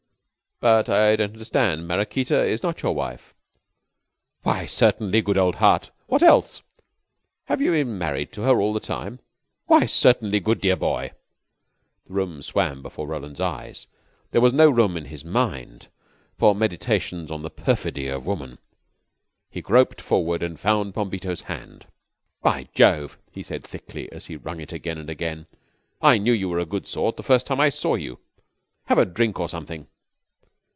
"But I don't understand. Maraquita is not your wife?" "Why, certainly, good old heart. What else?" "Have you been married to her all the time?" "Why, certainly, good, dear boy." The room swam before Roland's eyes. There was no room in his mind for meditations on the perfidy of woman. He groped forward and found Bombito's hand. "By Jove," he said thickly, as he wrung it again and again, "I knew you were a good sort the first time I saw you. Have a drink or something.